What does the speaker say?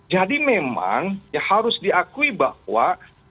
jadi memang ya harus diakui bahwa ya